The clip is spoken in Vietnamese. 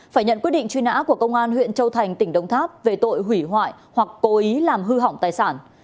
phải nhận quyết định truy nã của công an huyện châu thành tỉnh đồng tháp về tội hủy hoại hoặc cố ý làm hư hỏng tài sản